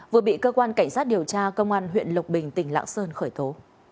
vừa bị cơ quan cảnh sát điều tra công an huyện lộc bình tỉnh lạng sơn khởi tố